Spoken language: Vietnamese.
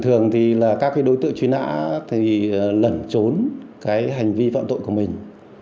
truy nã thì lẩn trốn cái hành vi phạm tội của mình